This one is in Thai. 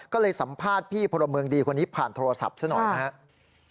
ก็เลยสัมภาษณ์พี่พลเมืองดีคนนี้ผ่านโทรศัพท์ซะหน่อยนะครับ